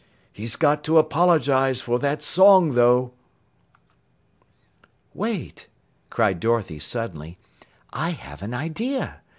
"He's got to apologize for that song, though." "Wait!" cried Dorothy suddenly. "I have an idea.